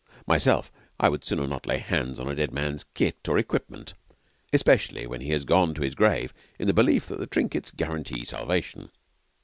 Myself, I would sooner not lay hands on a dead man's kit or equipment, especially when he has gone to his grave in the belief that the trinkets guarantee salvation.